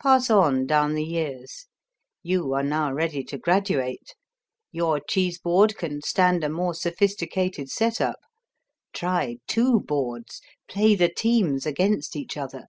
Pass on down the years. You are now ready to graduate. Your cheese board can stand a more sophisticated setup. Try two boards; play the teams against each other.